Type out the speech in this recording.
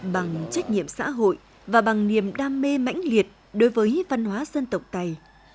bằng trách nhiệm xã hội và bằng niềm đam mê mãnh liệt đối với văn hóa dân tộc tây